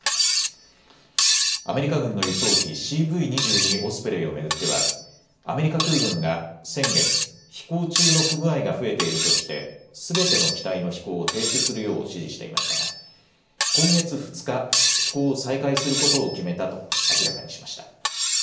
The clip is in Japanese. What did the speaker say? アメリカ軍の輸送機、ＣＶ２２オスプレイを巡ってはアメリカ空軍が先月、飛行中の不具合が増えているとしてすべての機体の飛行を停止するよう指示していましたが今月２日、飛行を再開することを決めたと明らかにしました。